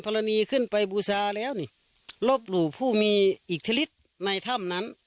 รณีขึ้นไปบูชาแล้วนี่ลบหลู่ผู้มีอิทธิฤทธิ์ในถ้ำนั้น